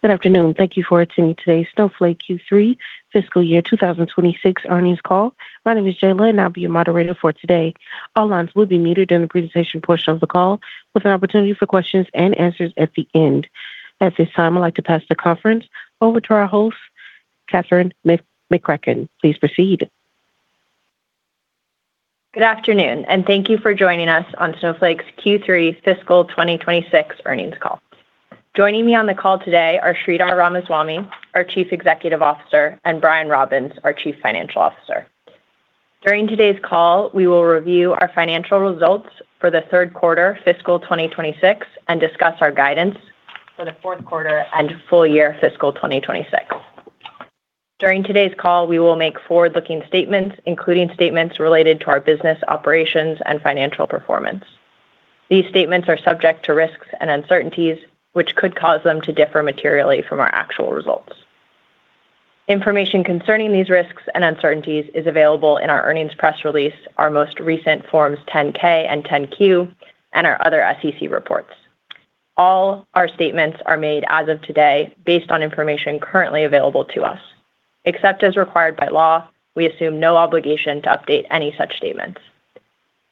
Good afternoon. Thank you for attending today's Snowflake Q3, fiscal year 2026, earnings call. My name is Jayla, and I'll be your moderator for today. All lines will be muted during the presentation portion of the call, with an opportunity for questions and answers at the end. At this time, I'd like to pass the conference over to our host, Katherine McCracken. Please proceed. Good afternoon, and thank you for joining us on Snowflake's Q3, fiscal 2026, earnings call. Joining me on the call today are Sridhar Ramaswamy, our Chief Executive Officer, and Brian Robbins, our Chief Financial Officer. During today's call, we will review our financial results for the third quarter, fiscal 2026, and discuss our guidance for the fourth quarter and full year, fiscal 2026. During today's call, we will make forward-looking statements, including statements related to our business operations and financial performance. These statements are subject to risks and uncertainties, which could cause them to differ materially from our actual results. Information concerning these risks and uncertainties is available in our earnings press release, our most recent Forms 10-K and 10-Q, and our other SEC reports. All our statements are made, as of today, based on information currently available to us. Except as required by law, we assume no obligation to update any such statements.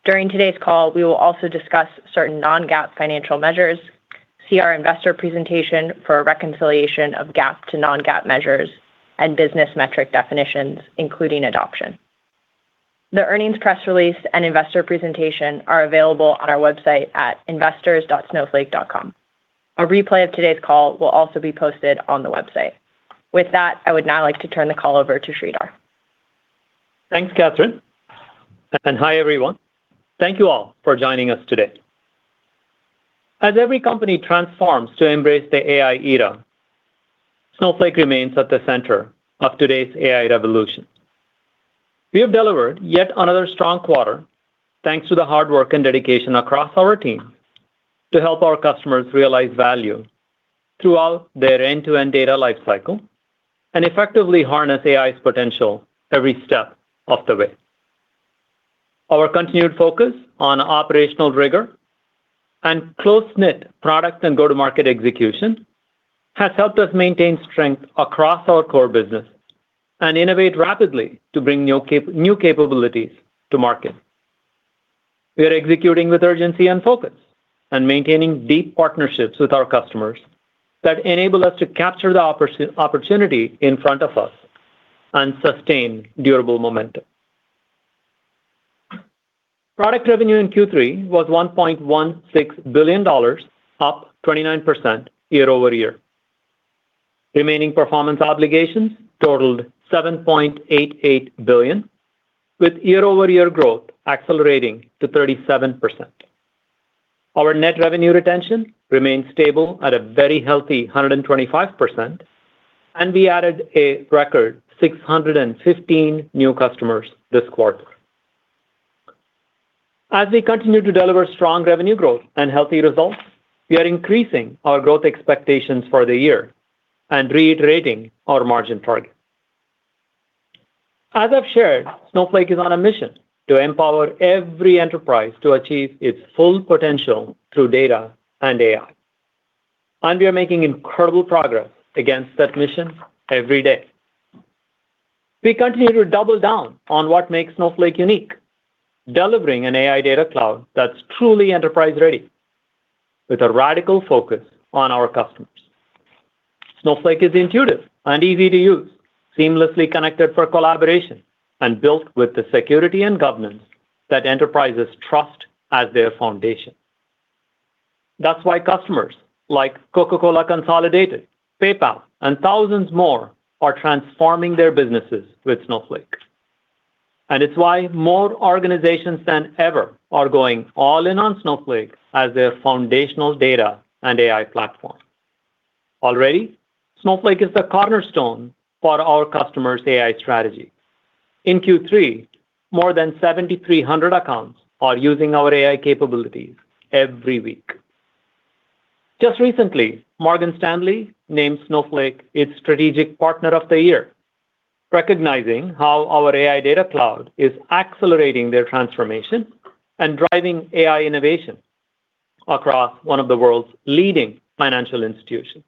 During today's call, we will also discuss certain non-GAAP financial measures, see our investor presentation for reconciliation of GAAP to non-GAAP measures, and business metric definitions, including adoption. The earnings press release and investor presentation are available on our website at investors.snowflake.com. A replay of today's call will also be posted on the website. With that, I would now like to turn the call over to Sridhar. Thanks, Katherine, and hi, everyone. Thank you all for joining us today. As every company transforms to embrace the AI era, Snowflake remains at the center of today's AI revolution. We have delivered yet another strong quarter, thanks to the hard work and dedication across our team to help our customers realize value throughout their end-to-end data lifecycle and effectively harness AI's potential every step of the way. Our continued focus on operational rigor and close-knit product and go-to-market execution has helped us maintain strength across our core business and innovate rapidly to bring new capabilities to market. We are executing with urgency and focus and maintaining deep partnerships with our customers that enable us to capture the opportunity in front of us and sustain durable momentum. Product revenue in Q3 was $1.16 billion, up 29% year-over-year. Remaining performance obligations totaled $7.88 billion, with year-over-year growth accelerating to 37%. Our net revenue retention remained stable at a very healthy 125%, and we added a record 615 new customers this quarter. As we continue to deliver strong revenue growth and healthy results, we are increasing our growth expectations for the year and reiterating our margin target. As I've shared, Snowflake is on a mission to empower every enterprise to achieve its full potential through data and AI, and we are making incredible progress against that mission every day. We continue to double down on what makes Snowflake unique, delivering an AI data cloud that's truly enterprise-ready, with a radical focus on our customers. Snowflake is intuitive and easy to use, seamlessly connected for collaboration, and built with the security and governance that enterprises trust as their foundation. That's why customers like Coca-Cola Consolidated, PayPal, and thousands more are transforming their businesses with Snowflake. And it's why more organizations than ever are going all-in on Snowflake as their foundational data and AI platform. Already, Snowflake is the cornerstone for our customers' AI strategy. In Q3, more than 7,300 accounts are using our AI capabilities every week. Just recently, Morgan Stanley named Snowflake its Strategic Partner of the Year, recognizing how our AI data cloud is accelerating their transformation and driving AI innovation across one of the world's leading financial institutions.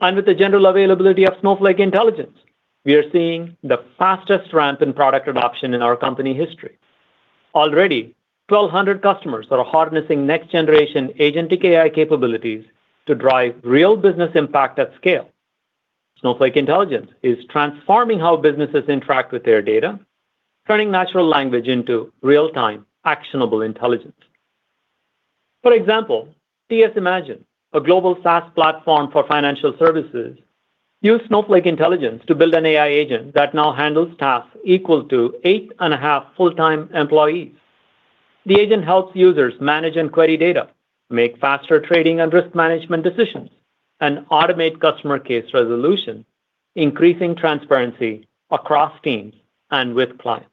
And with the general availability of Snowflake Intelligence, we are seeing the fastest ramp in product adoption in our company history. Already, 1,200 customers are harnessing next-generation agentic AI capabilities to drive real business impact at scale. Snowflake Intelligence is transforming how businesses interact with their data, turning natural language into real-time, actionable intelligence. For example, TS Imagine, a global SaaS platform for financial services, used Snowflake Intelligence to build an AI agent that now handles tasks equal to eight and a half full-time employees. The agent helps users manage and query data, make faster trading and risk management decisions, and automate customer case resolution, increasing transparency across teams and with clients,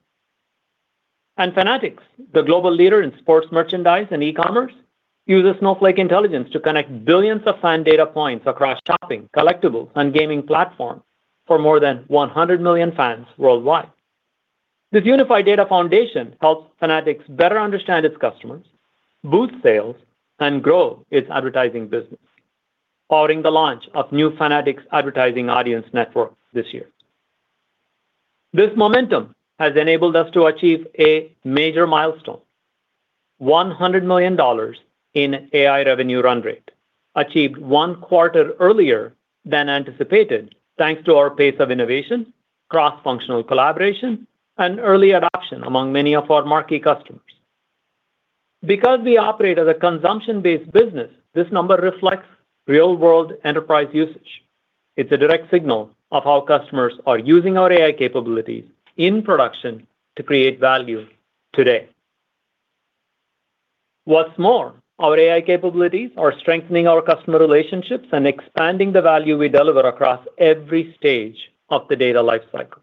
and Fanatics, the global leader in sports merchandise and e-commerce, uses Snowflake Intelligence to connect billions of fan data points across shopping, collectibles, and gaming platforms for more than 100 million fans worldwide. This unified data foundation helps Fanatics better understand its customers, boost sales, and grow its advertising business, powering the launch of new Fanatics advertising audience networks this year. This momentum has enabled us to achieve a major milestone: $100 million in AI revenue run rate, achieved one quarter earlier than anticipated, thanks to our pace of innovation, cross-functional collaboration, and early adoption among many of our marquee customers. Because we operate as a consumption-based business, this number reflects real-world enterprise usage. It's a direct signal of how customers are using our AI capabilities in production to create value today. What's more, our AI capabilities are strengthening our customer relationships and expanding the value we deliver across every stage of the data lifecycle.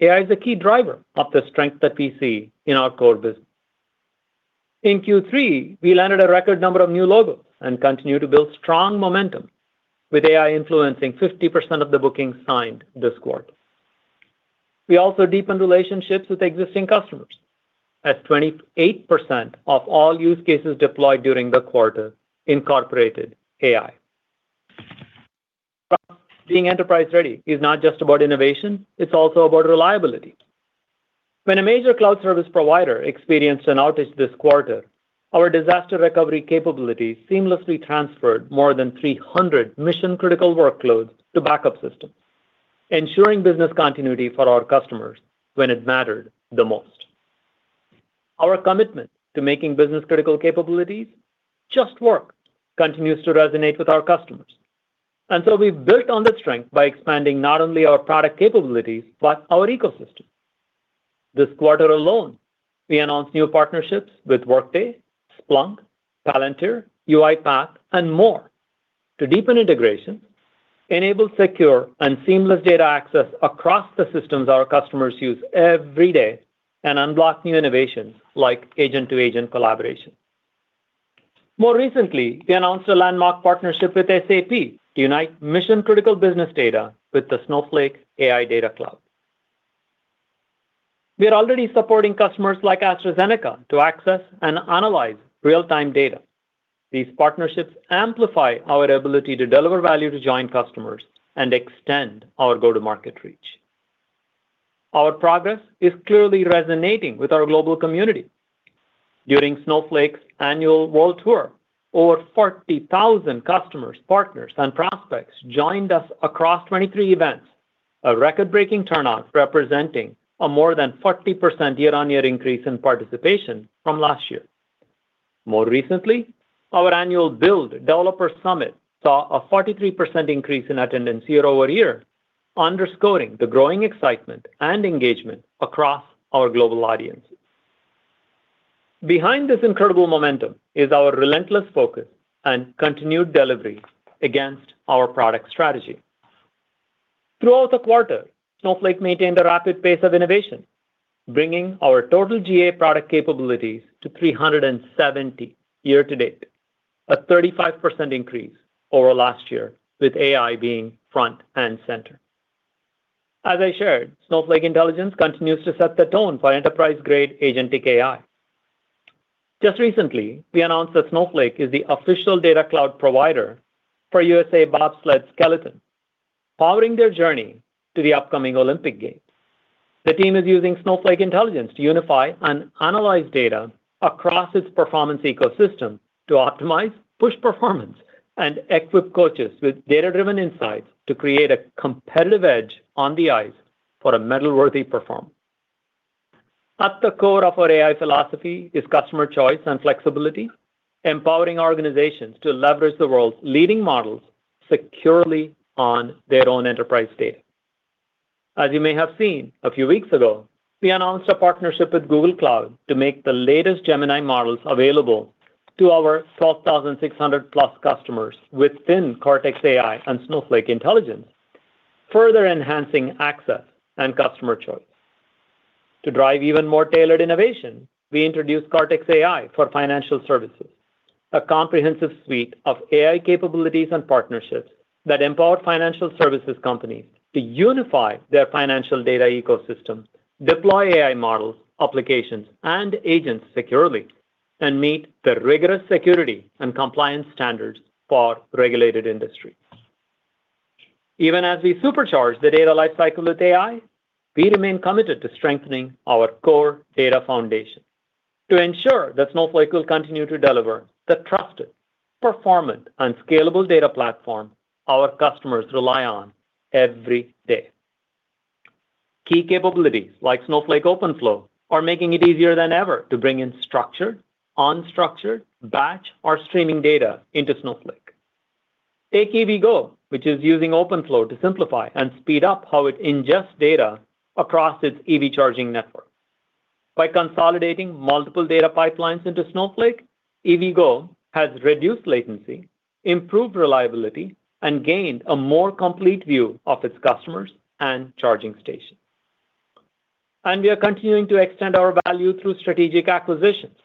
AI is a key driver of the strength that we see in our core business. In Q3, we landed a record number of new logos and continue to build strong momentum, with AI influencing 50% of the bookings signed this quarter. We also deepened relationships with existing customers, as 28% of all use cases deployed during the quarter incorporated AI. Being enterprise-ready is not just about innovation. It's also about reliability. When a major cloud service provider experienced an outage this quarter, our disaster recovery capabilities seamlessly transferred more than 300 mission-critical workloads to backup systems, ensuring business continuity for our customers when it mattered the most. Our commitment to making business-critical capabilities just work continues to resonate with our customers. And so we've built on that strength by expanding not only our product capabilities but our ecosystem. This quarter alone, we announced new partnerships with Workday, Splunk, Palantir, UiPath, and more to deepen integrations, enable secure and seamless data access across the systems our customers use every day, and unblock new innovations like agent-to-agent collaboration. More recently, we announced a landmark partnership with SAP to unite mission-critical business data with the Snowflake AI data cloud. We are already supporting customers like AstraZeneca to access and analyze real-time data. These partnerships amplify our ability to deliver value to joint customers and extend our go-to-market reach. Our progress is clearly resonating with our global community. During Snowflake's annual world tour, over 40,000 customers, partners, and prospects joined us across 23 events, a record-breaking turnout representing a more than 40% year-on-year increase in participation from last year. More recently, our annual Build Developer Summit saw a 43% increase in attendance year-over-year, underscoring the growing excitement and engagement across our global audiences. Behind this incredible momentum is our relentless focus and continued delivery against our product strategy. Throughout the quarter, Snowflake maintained a rapid pace of innovation, bringing our total GA product capabilities to 370 year-to-date, a 35% increase over last year, with AI being front and center. As I shared, Snowflake Intelligence continues to set the tone for enterprise-grade agentic AI. Just recently, we announced that Snowflake is the official data cloud provider for USA Bobsled Skeleton, powering their journey to the upcoming Olympic Games. The team is using Snowflake Intelligence to unify and analyze data across its performance ecosystem to optimize, push performance, and equip coaches with data-driven insights to create a competitive edge on the ice for a medal-worthy performance. At the core of our AI philosophy is customer choice and flexibility, empowering organizations to leverage the world's leading models securely on their own enterprise data. As you may have seen a few weeks ago, we announced a partnership with Google Cloud to make the latest Gemini models available to our 12,600-plus customers within Cortex AI and Snowflake Intelligence, further enhancing access and customer choice. To drive even more tailored innovation, we introduced Cortex AI for Financial Services, a comprehensive suite of AI capabilities and partnerships that empower financial services companies to unify their financial data ecosystem, deploy AI models, applications, and agents securely, and meet the rigorous security and compliance standards for regulated industries. Even as we supercharge the data lifecycle with AI, we remain committed to strengthening our core data foundation to ensure that Snowflake will continue to deliver the trusted, performant, and scalable data platform our customers rely on every day. Key capabilities like Snowflake OpenFlow are making it easier than ever to bring in structured, unstructured, batch, or streaming data into Snowflake. Take EVgo, which is using OpenFlow to simplify and speed up how it ingests data across its EV charging network. By consolidating multiple data pipelines into Snowflake, EVgo has reduced latency, improved reliability, and gained a more complete view of its customers and charging stations. And we are continuing to extend our value through strategic acquisitions.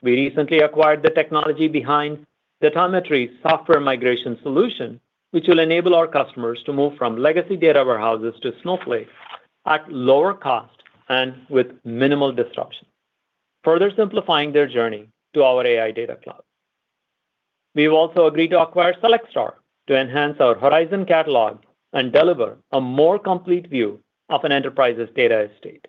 We recently acquired the technology behind the Telemetry Software Migration Solution, which will enable our customers to move from legacy data warehouses to Snowflake at lower cost and with minimal disruption, further simplifying their journey to our AI data cloud. We have also agreed to acquire Select Star to enhance our Horizon catalog and deliver a more complete view of an enterprise's data estate.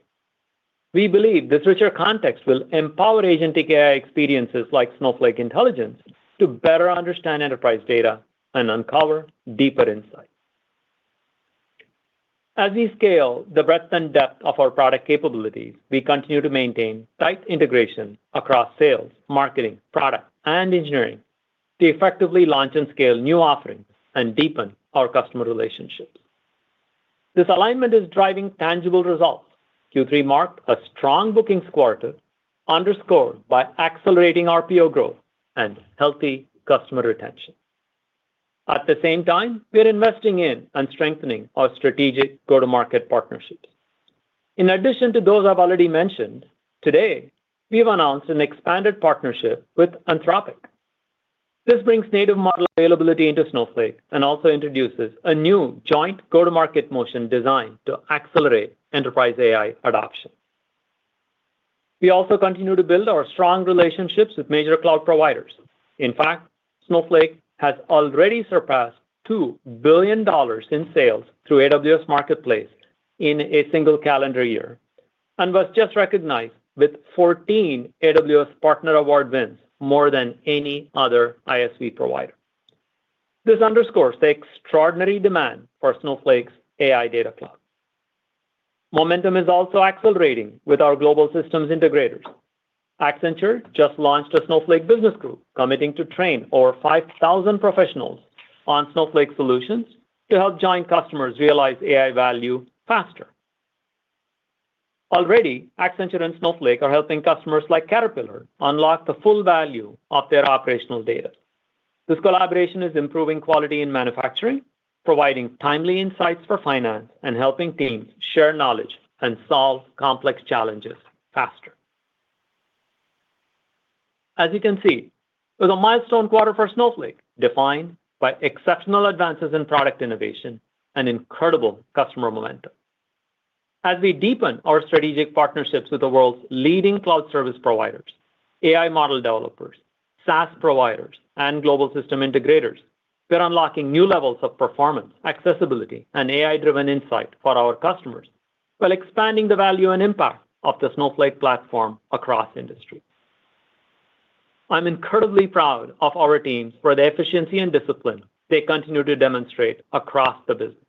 We believe this richer context will empower agentic AI experiences like Snowflake Intelligence to better understand enterprise data and uncover deeper insights. As we scale the breadth and depth of our product capabilities, we continue to maintain tight integration across sales, marketing, product, and engineering to effectively launch and scale new offerings and deepen our customer relationships. This alignment is driving tangible results. Q3 marked a strong bookings quarter, underscored by accelerating RPO growth and healthy customer retention. At the same time, we are investing in and strengthening our strategic go-to-market partnerships. In addition to those I've already mentioned, today, we have announced an expanded partnership with Anthropic. This brings native model availability into Snowflake and also introduces a new joint go-to-market motion designed to accelerate enterprise AI adoption. We also continue to build our strong relationships with major cloud providers. In fact, Snowflake has already surpassed $2 billion in sales through AWS Marketplace in a single calendar year and was just recognized with 14 AWS Partner Award wins more than any other ISV provider. This underscores the extraordinary demand for Snowflake's AI data cloud. Momentum is also accelerating with our global systems integrators. Accenture just launched a Snowflake business group committing to train over 5,000 professionals on Snowflake solutions to help joint customers realize AI value faster. Already, Accenture and Snowflake are helping customers like Caterpillar unlock the full value of their operational data. This collaboration is improving quality in manufacturing, providing timely insights for finance, and helping teams share knowledge and solve complex challenges faster. As you can see, it was a milestone quarter for Snowflake defined by exceptional advances in product innovation and incredible customer momentum. As we deepen our strategic partnerships with the world's leading cloud service providers, AI model developers, SaaS providers, and global system integrators, we're unlocking new levels of performance, accessibility, and AI-driven insight for our customers while expanding the value and impact of the Snowflake platform across industries. I'm incredibly proud of our teams for the efficiency and discipline they continue to demonstrate across the business.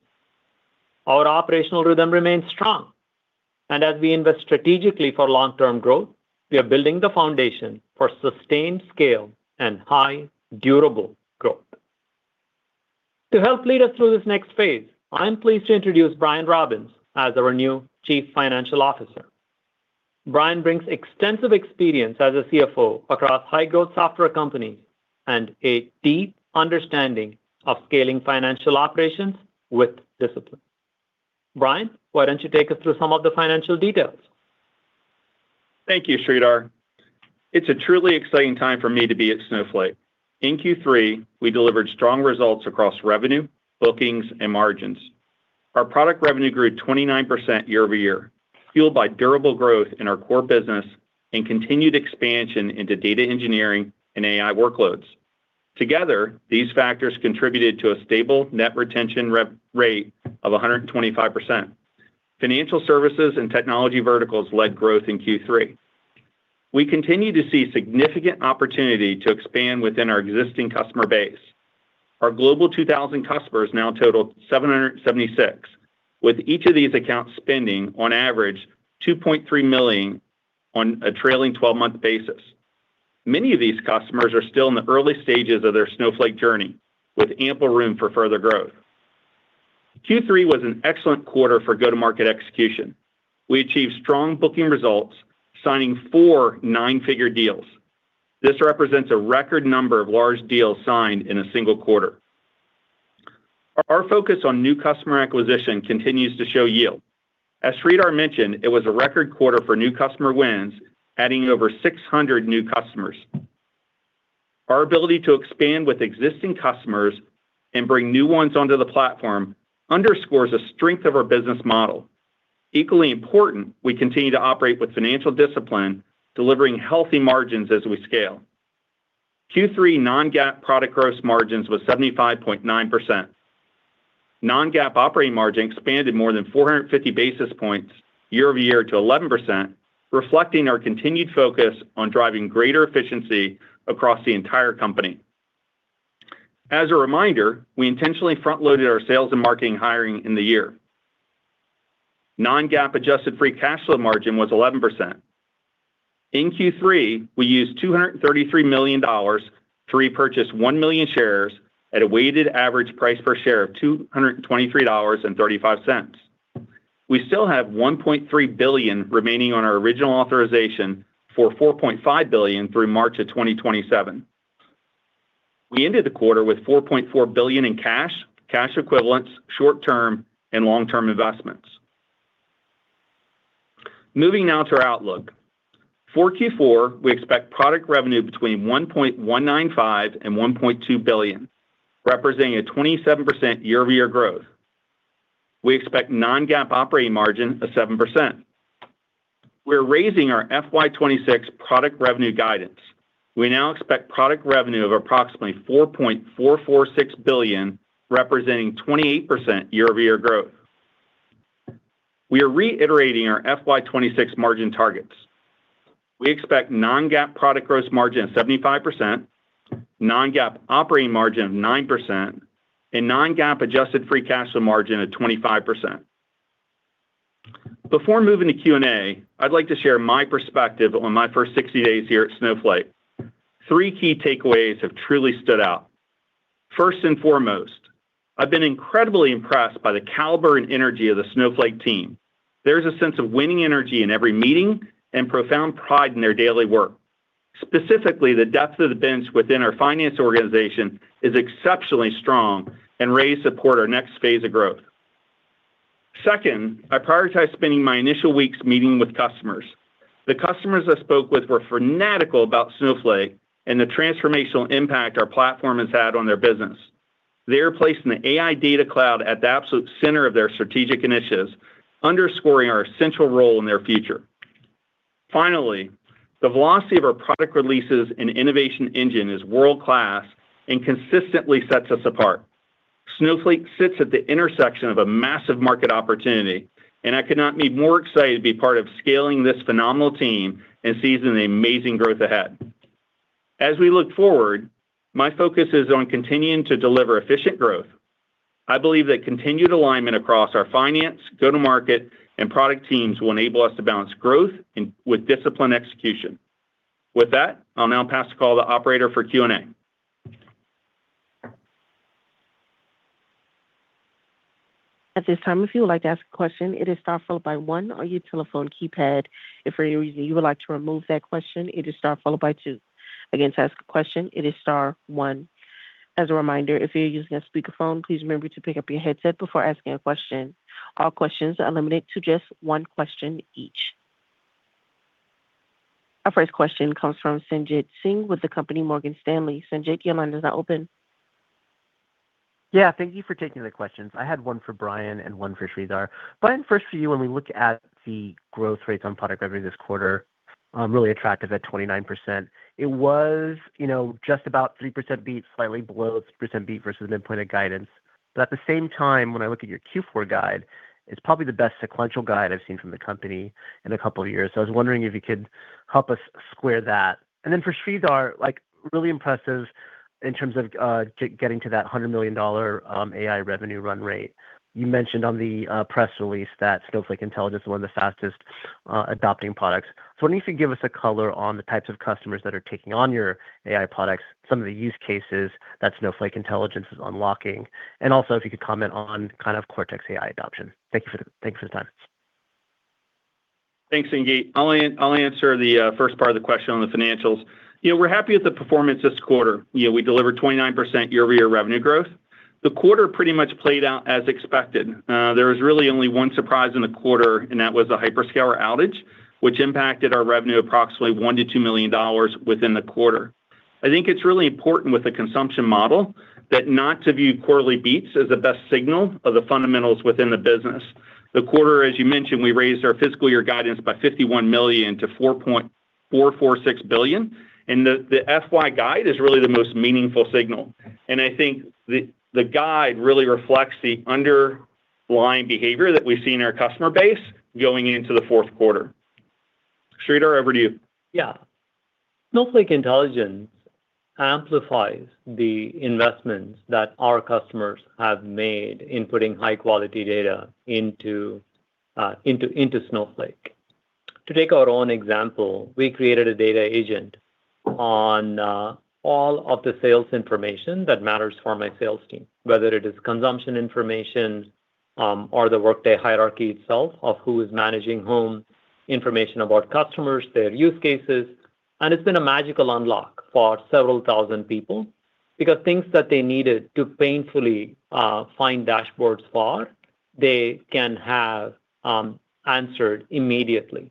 Our operational rhythm remains strong, and as we invest strategically for long-term growth, we are building the foundation for sustained scale and high, durable growth. To help lead us through this next phase, I'm pleased to introduce Brian Robbins as our new Chief Financial Officer. Brian brings extensive experience as a CFO across high-growth software companies and a deep understanding of scaling financial operations with discipline. Brian, why don't you take us through some of the financial details? Thank you, Sridhar. It's a truly exciting time for me to be at Snowflake. In Q3, we delivered strong results across revenue, bookings, and margins. Our product revenue grew 29% year-over-year, fueled by durable growth in our core business and continued expansion into data engineering and AI workloads. Together, these factors contributed to a stable net retention rate of 125%. Financial services and technology verticals led growth in Q3. We continue to see significant opportunity to expand within our existing customer base. Our global 2,000 customers now total 776, with each of these accounts spending on average $2.3 million on a trailing 12-month basis. Many of these customers are still in the early stages of their Snowflake journey, with ample room for further growth. Q3 was an excellent quarter for go-to-market execution. We achieved strong booking results, signing four nine-figure deals. This represents a record number of large deals signed in a single quarter. Our focus on new customer acquisition continues to show yield. As Sridhar mentioned, it was a record quarter for new customer wins, adding over 600 new customers. Our ability to expand with existing customers and bring new ones onto the platform underscores the strength of our business model. Equally important, we continue to operate with financial discipline, delivering healthy margins as we scale. Q3 Non-GAAP product gross margins were 75.9%. Non-GAAP operating margin expanded more than 450 basis points year-over-year to 11%, reflecting our continued focus on driving greater efficiency across the entire company. As a reminder, we intentionally front-loaded our sales and marketing hiring in the year. Non-GAAP adjusted free cash flow margin was 11%. In Q3, we used $233 million to repurchase one million shares at a weighted average price per share of $223.35. We still have $1.3 billion remaining on our original authorization for $4.5 billion through March of 2027. We ended the quarter with $4.4 billion in cash, cash equivalents, short-term, and long-term investments. Moving now to our outlook. For Q4, we expect product revenue between $1.195 and $1.2 billion, representing a 27% year-over-year growth. We expect non-GAAP operating margin of 7%. We're raising our FY26 product revenue guidance. We now expect product revenue of approximately $4.446 billion, representing 28% year-over-year growth. We are reiterating our FY26 margin targets. We expect non-GAAP product gross margin of 75%, non-GAAP operating margin of 9%, and non-GAAP adjusted free cash flow margin of 25%. Before moving to Q&A, I'd like to share my perspective on my first 60 days here at Snowflake. Three key takeaways have truly stood out. First and foremost, I've been incredibly impressed by the caliber and energy of the Snowflake team. There's a sense of winning energy in every meeting and profound pride in their daily work. Specifically, the depth of the bench within our finance organization is exceptionally strong and ready to support our next phase of growth. Second, I prioritized spending my initial weeks meeting with customers. The customers I spoke with were fanatical about Snowflake and the transformational impact our platform has had on their business. They are placing the AI data cloud at the absolute center of their strategic initiatives, underscoring our essential role in their future. Finally, the velocity of our product releases and innovation engine is world-class and consistently sets us apart. Snowflake sits at the intersection of a massive market opportunity, and I could not be more excited to be part of scaling this phenomenal team and seeing the amazing growth ahead. As we look forward, my focus is on continuing to deliver efficient growth. I believe that continued alignment across our finance, go-to-market, and product teams will enable us to balance growth with discipline execution. With that, I'll now pass the call to the operator for Q&A. At this time, if you would like to ask a question, it is star followed by one, or your telephone keypad. If for any reason you would like to remove that question, it is star followed by two. Again, to ask a question, it is star one. As a reminder, if you're using a speakerphone, please remember to pick up your headset before asking a question. All questions are limited to just one question each. Our first question comes from Sanjit Singh with the company Morgan Stanley. Sanjit, your line is now open. Yeah, thank you for taking the questions. I had one for Brian and one for Sridhar. Brian, first for you, when we look at the growth rates on product revenue this quarter, really attractive at 29%. It was just about 3% beat, slightly below 3% beat versus the endpoint of guidance. But at the same time, when I look at your Q4 guide, it's probably the best sequential guide I've seen from the company in a couple of years. So I was wondering if you could help us square that, and then for Sridhar, really impressive in terms of getting to that $100 million AI revenue run rate. You mentioned on the press release that Snowflake Intelligence is one of the fastest adopting products. So why don't you give us a color on the types of customers that are taking on your AI products, some of the use cases that Snowflake Intelligence is unlocking, and also if you could comment on kind of Cortex AI adoption? Thank you for the time. Thanks, Sanjit. I'll answer the first part of the question on the financials. We're happy with the performance this quarter. We delivered 29% year-over-year revenue growth. The quarter pretty much played out as expected. There was really only one surprise in the quarter, and that was the hyperscaler outage, which impacted our revenue approximately $1-$2 million within the quarter. I think it's really important with the consumption model that not to view quarterly beats as the best signal of the fundamentals within the business. The quarter, as you mentioned, we raised our fiscal year guidance by $51 million to $4.446 billion, and the FY guide is really the most meaningful signal, and I think the guide really reflects the underlying behavior that we've seen in our customer base going into the fourth quarter. Sridhar, over to you. Yeah. Snowflake Intelligence amplifies the investments that our customers have made in putting high-quality data into Snowflake. To take our own example, we created a data agent on all of the sales information that matters for my sales team, whether it is consumption information or the Workday hierarchy itself of who is managing whom, information about customers, their use cases, and it's been a magical unlock for several thousand people because things that they needed to painfully find dashboards for, they can have answered immediately.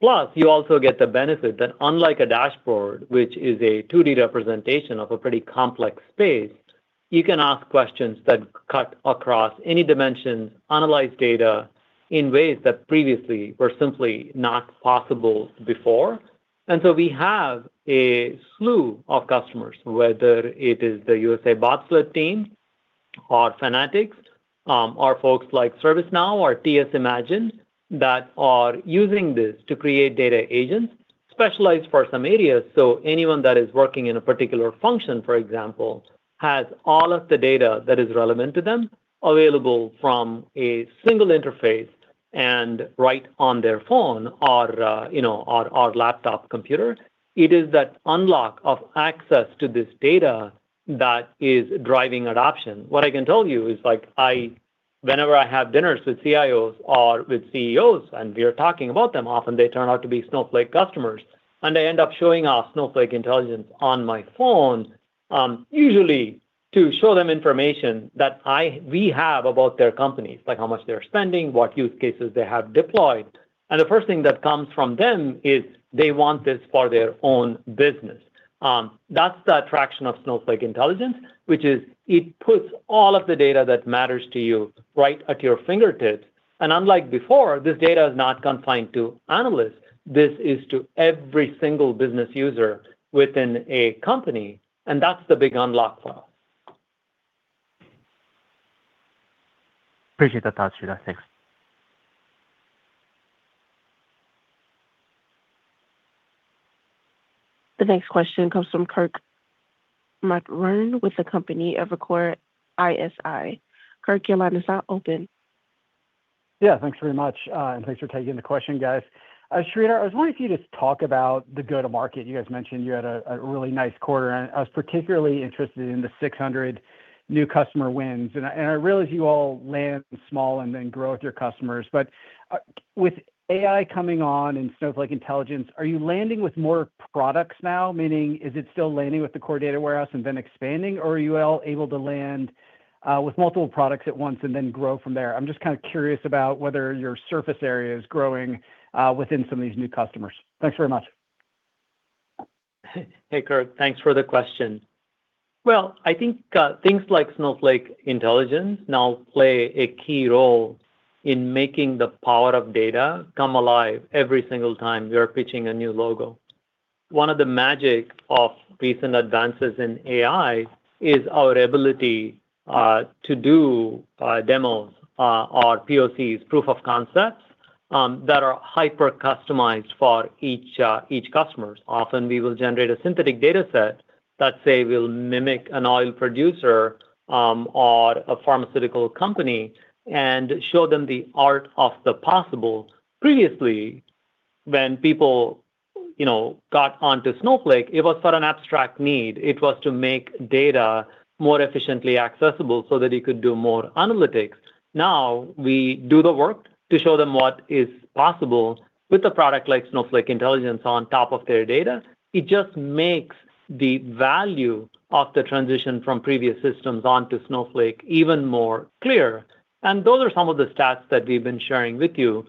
Plus, you also get the benefit that unlike a dashboard, which is a 2D representation of a pretty complex space, you can ask questions that cut across any dimensions, analyze data in ways that previously were simply not possible before. And so we have a slew of customers, whether it is the USA Bobsled team or Fanatics or folks like ServiceNow or TSImagine that are using this to create data agents specialized for some areas. So anyone that is working in a particular function, for example, has all of the data that is relevant to them available from a single interface and right on their phone or laptop computer. It is that unlock of access to this data that is driving adoption. What I can tell you is whenever I have dinners with CIOs or with CEOs, and we are talking about them, often they turn out to be Snowflake customers, and they end up showing off Snowflake Intelligence on my phone, usually to show them information that we have about their companies, like how much they're spending, what use cases they have deployed. And the first thing that comes from them is they want this for their own business. That's the attraction of Snowflake Intelligence, which is it puts all of the data that matters to you right at your fingertips. And unlike before, this data is not confined to analysts. This is to every single business user within a company. And that's the big unlock for us. Appreciate that thought, Sridhar. Thanks. The next question comes from Kirk Materne with the company Evercore ISI. Kirk, your line is now open. Yeah, thanks very much. And thanks for taking the question, guys. Sridhar, I was wondering if you could just talk about the go-to-market. You guys mentioned you had a really nice quarter. And I was particularly interested in the 600 new customer wins. And I realize you all land small and then grow with your customers. But with AI coming on and Snowflake Intelligence, are you landing with more products now? Meaning, is it still landing with the core data warehouse and then expanding, or are you all able to land with multiple products at once and then grow from there? I'm just kind of curious about whether your surface area is growing within some of these new customers. Thanks very much. Hey, Kirk, thanks for the question. I think things like Snowflake Intelligence now play a key role in making the power of data come alive every single time we are pitching a new logo. One of the magic of recent advances in AI is our ability to do demos or POCs, proof of concepts, that are hyper-customized for each customer. Often, we will generate a synthetic data set that, say, will mimic an oil producer or a pharmaceutical company and show them the art of the possible. Previously, when people got onto Snowflake, it was for an abstract need. It was to make data more efficiently accessible so that you could do more analytics. Now, we do the work to show them what is possible with a product like Snowflake Intelligence on top of their data. It just makes the value of the transition from previous systems onto Snowflake even more clear. And those are some of the stats that we've been sharing with you,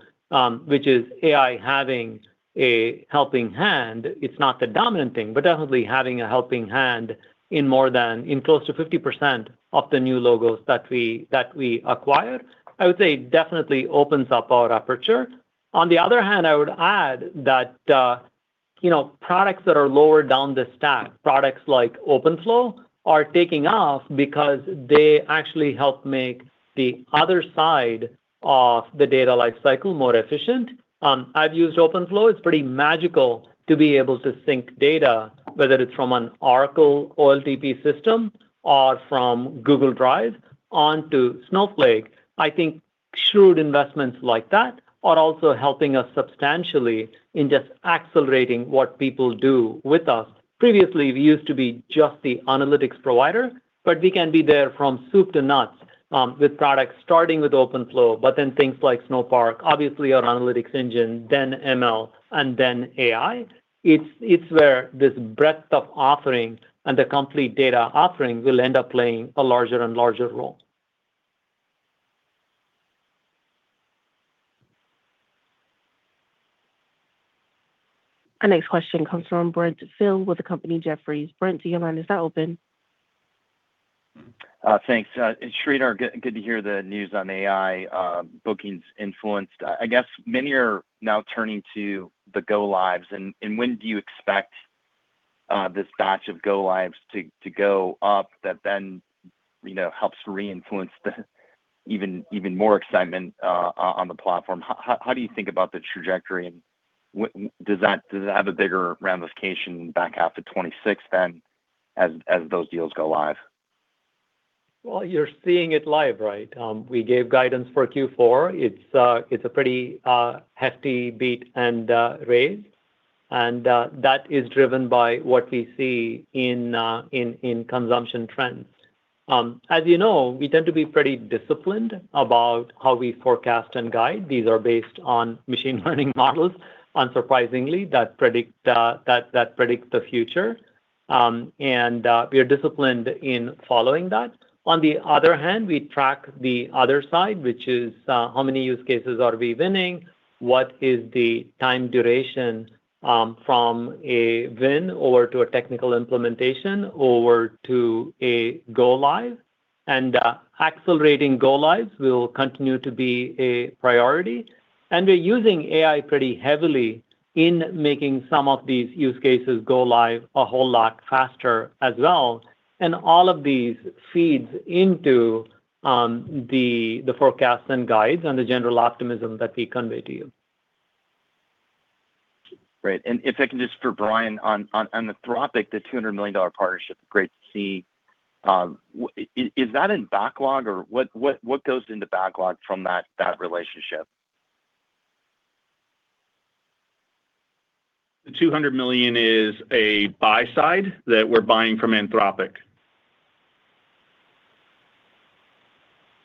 which is AI having a helping hand. It's not the dominant thing, but definitely having a helping hand in close to 50% of the new logos that we acquired. I would say it definitely opens up our aperture. On the other hand, I would add that products that are lower down the stack, products like OpenFlow, are taking off because they actually help make the other side of the data lifecycle more efficient. I've used OpenFlow. It's pretty magical to be able to sync data, whether it's from an Oracle OLTP system or from Google Drive, onto Snowflake. I think shrewd investments like that are also helping us substantially in just accelerating what people do with us. Previously, we used to be just the analytics provider, but we can be there from soup to nuts with products starting with OpenFlow, but then things like Snowpark, obviously our analytics engine, then ML, and then AI. It's where this breadth of offering and the complete data offering will end up playing a larger and larger role. Our next question comes from Brent Thill with the company Jefferies. Brent, your line is now open. Thanks. Sridhar, good to hear the news on AI bookings inflection. I guess many are now turning to the go-lives. And when do you expect this batch of go-lives to go up that then helps reinfluence even more excitement on the platform? How do you think about the trajectory? And does it have a bigger ramification back after 2026 then as those deals go live? You're seeing it live, right? We gave guidance for Q4. It's a pretty hefty beat and raise. And that is driven by what we see in consumption trends. As you know, we tend to be pretty disciplined about how we forecast and guide. These are based on machine learning models, unsurprisingly, that predict the future. And we are disciplined in following that. On the other hand, we track the other side, which is how many use cases are we winning? What is the time duration from a win over to a technical implementation over to a Go Live? And accelerating Go Lives will continue to be a priority. And we're using AI pretty heavily in making some of these use cases go live a whole lot faster as well. And all of these feeds into the forecasts and guides and the general optimism that we convey to you. Great. And if I can just for Brian on Anthropic, the $200 million partnership, great to see. Is that in backlog, or what goes into backlog from that relationship? The 200 million is a buy-side that we're buying from Anthropic.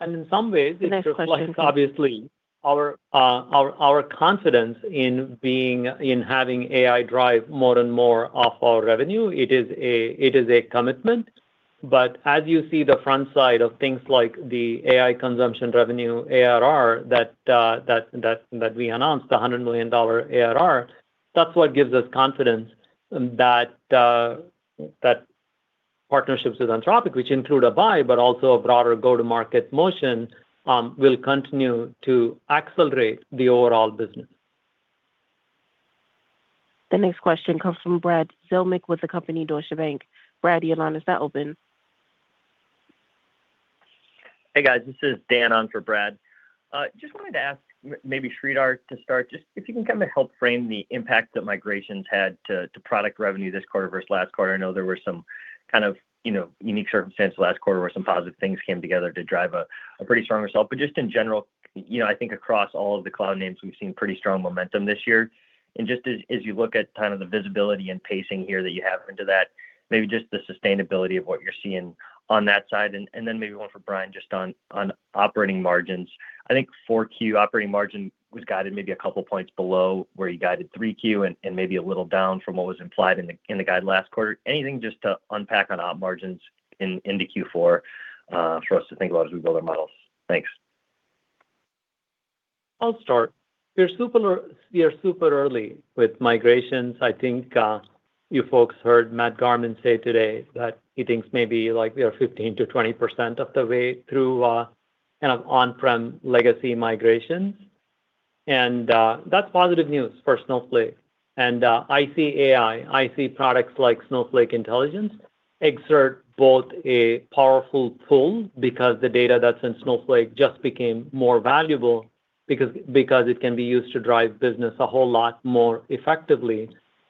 And in some ways, it's obviously our confidence in having AI drive more and more of our revenue. It is a commitment. But as you see the front side of things like the AI consumption revenue ARR that we announced, the $100 million ARR, that's what gives us confidence that partnerships with Anthropic, which include a buy, but also a broader go-to-market motion, will continue to accelerate the overall business. The next question comes from Brad Zelnick with the company Deutsche Bank. Brad, your line is now open. Hey, guys. This is Dan on for Brad. Just wanted to ask maybe Sridhar to start, just if you can kind of help frame the impact that migrations had to product revenue this quarter versus last quarter. I know there were some kind of unique circumstances last quarter where some positive things came together to drive a pretty strong result. Just in general, I think across all of the cloud names, we've seen pretty strong momentum this year. Just as you look at kind of the visibility and pacing here that you have into that, maybe just the sustainability of what you're seeing on that side. Then maybe one for Brian just on operating margins. I think 4Q operating margin was guided maybe a couple of points below where you guided 3Q and maybe a little down from what was implied in the guide last quarter. Anything just to unpack on op margins into Q4 for us to think about as we build our models? Thanks. I'll start. We are super early with migrations. I think you folks heard Matt Garman say today that he thinks maybe we are 15%-20% of the way through kind of on-prem legacy migrations. And that's positive news for Snowflake. And I see AI. I see products like Snowflake Intelligence exert both a powerful pull because the data that's in Snowflake just became more valuable because it can be used to drive business a whole lot more effectively.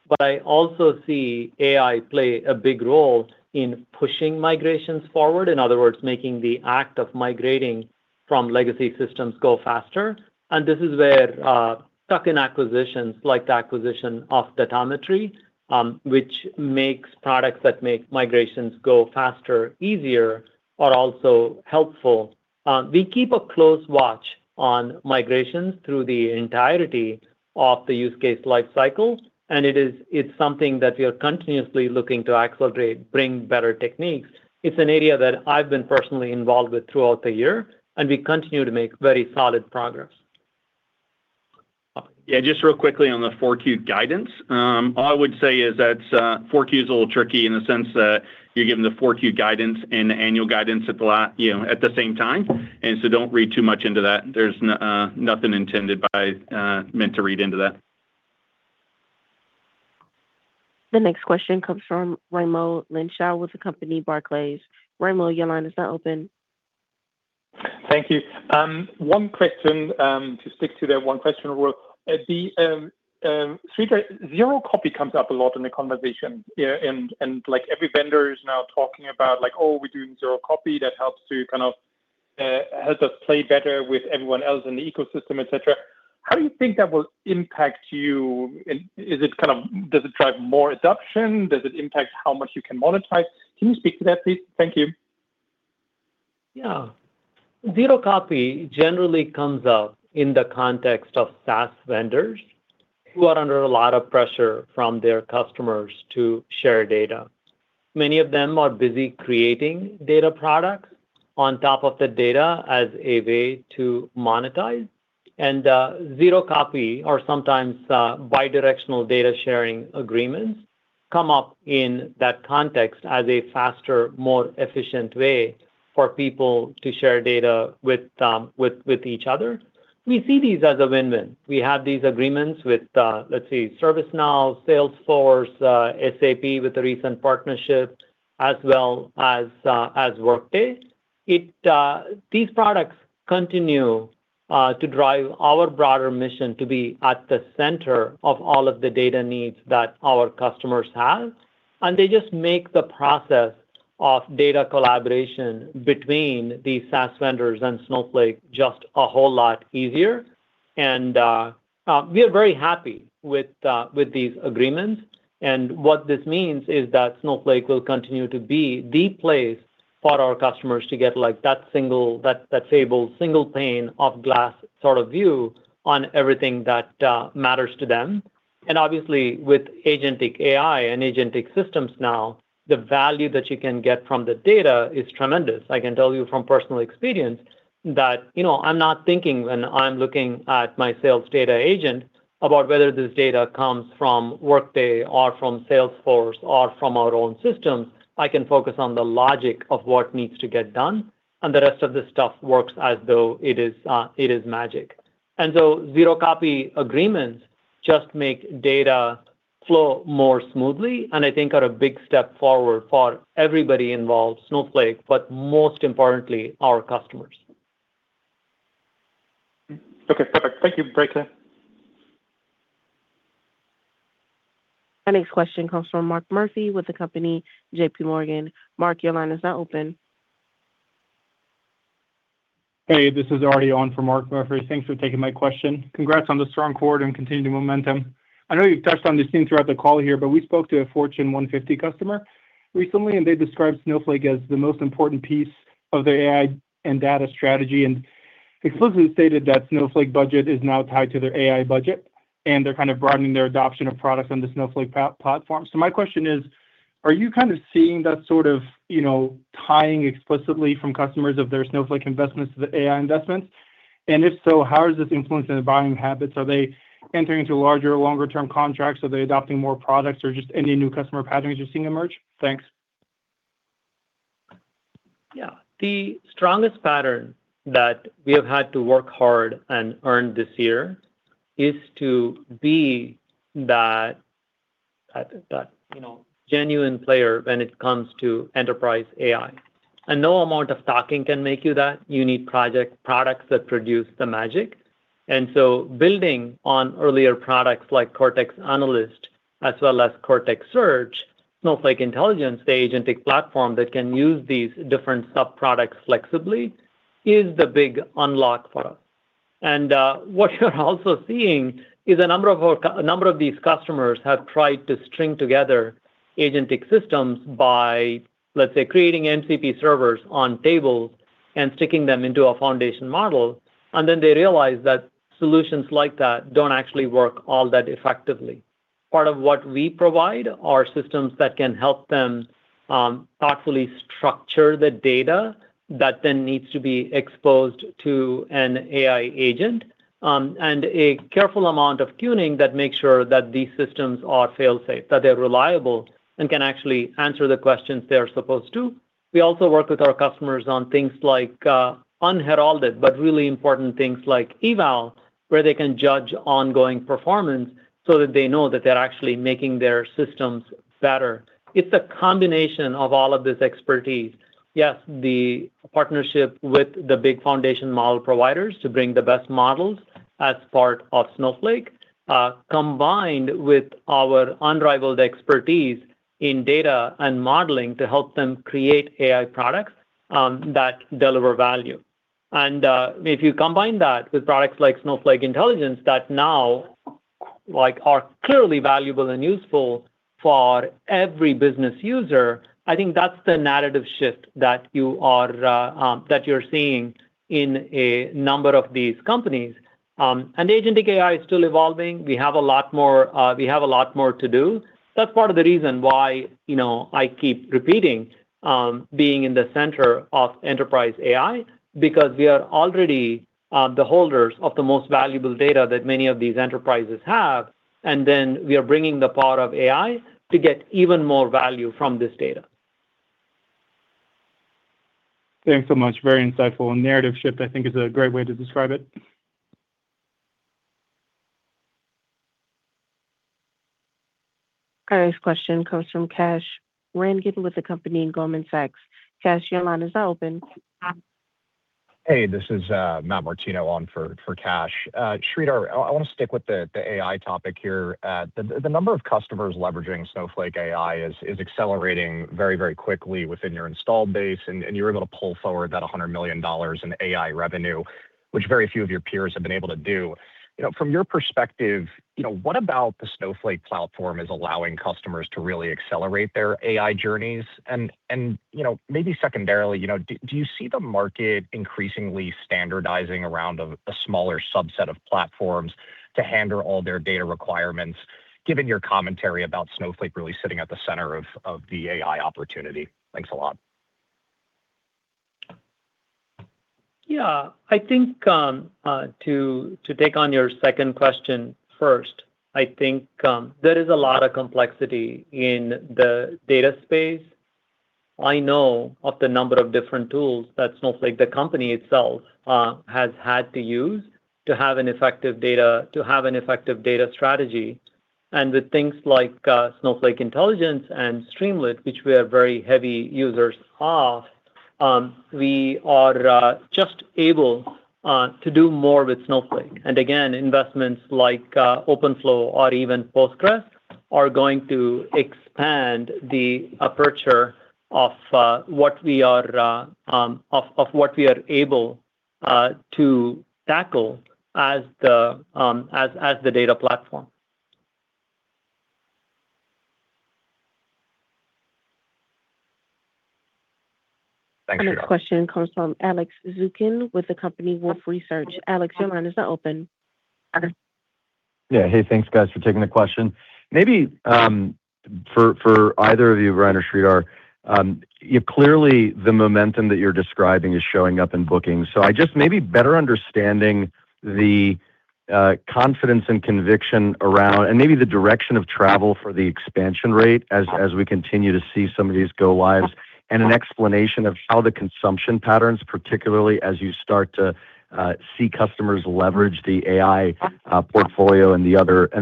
But I also see AI play a big role in pushing migrations forward. In other words, making the act of migrating from legacy systems go faster. And this is where tuck-in acquisitions like the acquisition of Datometry, which makes products that make migrations go faster, easier, are also helpful. We keep a close watch on migrations through the entirety of the use case lifecycle. And it's something that we are continuously looking to accelerate, bring better techniques. It's an area that I've been personally involved with throughout the year, and we continue to make very solid progress. Yeah, just real quickly on the 4Q guidance. All I would say is that 4Q is a little tricky in the sense that you're given the 4Q guidance and the annual guidance at the same time. And so don't read too much into that. There's nothing intended by meant to read into that. The next question comes from Raimo Lenschow with the company Barclays. Raimo, your line is now open. Thank you. One question to stick to that one question. Sridhar, Zero Copy comes up a lot in the conversation. And every vendor is now talking about, "Oh, we're doing Zero Copy. That helps to kind of help us play better with everyone else in the ecosystem," etc. How do you think that will impact you? Is it kind of does it drive more adoption? Does it impact how much you can monetize? Can you speak to that, please? Thank you. Yeah. Zero Copy generally comes up in the context of SaaS vendors who are under a lot of pressure from their customers to share data. Many of them are busy creating data products on top of the data as a way to monetize, and Zero Copy or sometimes bidirectional data sharing agreements come up in that context as a faster, more efficient way for people to share data with each other. We see these as a win-win. We have these agreements with, let's say, ServiceNow, Salesforce, SAP with a recent partnership, as well as Workday. These products continue to drive our broader mission to be at the center of all of the data needs that our customers have. And they just make the process of data collaboration between these SaaS vendors and Snowflake just a whole lot easier. And we are very happy with these agreements. And what this means is that Snowflake will continue to be the place for our customers to get that single pane of glass sort of view on everything that matters to them. And obviously, with agentic AI and agentic systems now, the value that you can get from the data is tremendous. I can tell you from personal experience that I'm not thinking when I'm looking at my sales data agent about whether this data comes from Workday or from Salesforce or from our own systems. I can focus on the logic of what needs to get done. The rest of the stuff works as though it is magic. So Zero Copy agreements just make data flow more smoothly and I think are a big step forward for everybody involved, Snowflake, but most importantly, our customers. Okay. Perfect. Thank you, Bracelin. Our next question comes from Mark Murphy with the company JPMorgan. Mark, your line is now open. Hey, this is Arti on for Mark Murphy. Thanks for taking my question. Congrats on the strong quarter and continued momentum. I know you've touched on this theme throughout the call here, but we spoke to a Fortune 150 customer recently, and they described Snowflake as the most important piece of their AI and data strategy and explicitly stated that Snowflake budget is now tied to their AI budget, and they're kind of broadening their adoption of products on the Snowflake platform. So my question is, are you kind of seeing that sort of tying explicitly from customers of their Snowflake investments to the AI investments? And if so, how is this influencing their buying habits? Are they entering into larger, longer-term contracts? Are they adopting more products or just any new customer patterns you're seeing emerge? Thanks. Yeah. The strongest pattern that we have had to work hard and earn this year is to be that genuine player when it comes to enterprise AI. And no amount of talking can make you that. You need products that produce the magic. And so building on earlier products like Cortex Analyst as well as Cortex Search, Snowflake Intelligence, the agentic platform that can use these different subproducts flexibly, is the big unlock for us. What you're also seeing is a number of these customers have tried to string together agentic systems by, let's say, creating MCP servers on tables and sticking them into a foundation model. Then they realize that solutions like that don't actually work all that effectively. Part of what we provide are systems that can help them thoughtfully structure the data that then needs to be exposed to an AI agent and a careful amount of tuning that makes sure that these systems are fail-safe, that they're reliable and can actually answer the questions they're supposed to. We also work with our customers on things like unheralded, but really important things like eval, where they can judge ongoing performance so that they know that they're actually making their systems better. It's a combination of all of this expertise. Yes, the partnership with the big foundation model providers to bring the best models as part of Snowflake, combined with our unrivaled expertise in data and modeling to help them create AI products that deliver value, and if you combine that with products like Snowflake Intelligence that now are clearly valuable and useful for every business user, I think that's the narrative shift that you are seeing in a number of these companies, and Agentic AI is still evolving. We have a lot more to do. That's part of the reason why I keep repeating being in the center of enterprise AI, because we are already the holders of the most valuable data that many of these enterprises have, and then we are bringing the power of AI to get even more value from this data. Thanks so much. Very insightful. Narrative shift, I think, is a great way to describe it. Our next question comes from Kash Rangan with the company Goldman Sachs. Kash, your line is now open. Hey, this is Matt Martino on for Kash. Sridhar, I want to stick with the AI topic here. The number of customers leveraging Snowflake AI is accelerating very, very quickly within your installed base, and you're able to pull forward that $100 million in AI revenue, which very few of your peers have been able to do. From your perspective, what about the Snowflake platform is allowing customers to really accelerate their AI journeys? And maybe secondarily, do you see the market increasingly standardizing around a smaller subset of platforms to handle all their data requirements, given your commentary about Snowflake really sitting at the center of the AI opportunity? Thanks a lot. Yeah. I think to take on your second question first. I think there is a lot of complexity in the data space. I know of the number of different tools that Snowflake, the company itself, has had to use to have an effective data strategy. And with things like Snowflake Intelligence and Streamlit, which we are very heavy users of, we are just able to do more with Snowflake. And again, investments like OpenFlow or even Postgres are going to expand the aperture of what we are able to tackle as the data platform. Thanks, Sridhar. Our next question comes from Alex Zukin with the company Wolfe Research. Alex, your line is now open. Yeah. Hey, thanks, guys, for taking the question. Maybe for either of you, Brian or Sridhar, clearly the momentum that you're describing is showing up in bookings. So, I just maybe better understanding the confidence and conviction around and maybe the direction of travel for the expansion rate as we continue to see some of these go lives and an explanation of how the consumption patterns, particularly as you start to see customers leverage the AI portfolio and the